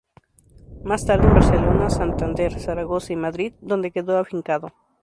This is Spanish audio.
Más tarde en Barcelona, Santander, Zaragoza y Madrid, donde quedó afincado.